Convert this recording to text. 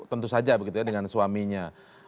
tentu saja begitu ya dengan suaminya